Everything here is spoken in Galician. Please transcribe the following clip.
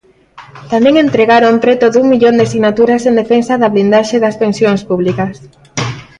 Tamén entregaron preto dun millón de sinaturas en defensa da blindaxe das pensións públicas.